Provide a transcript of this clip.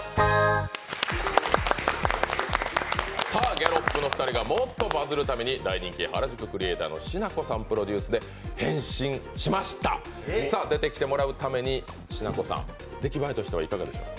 ギャロップの２人がもっとバズるために、大人気原宿クリエイターのしなこさんプロデュースで変身しました、出てきてもらうためにしなこさん、できばえとしてはいかがですか。